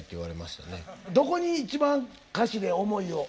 どこに一番歌詞で思いを？